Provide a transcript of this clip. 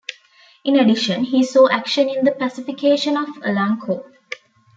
In addition, he saw action in the pacification of Olancho.